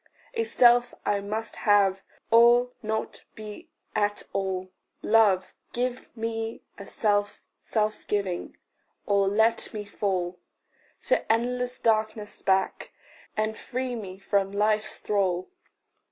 A self I must have, or not be at all: Love, give me a self self giving or let me fall To endless darkness back, and free me from life's thrall.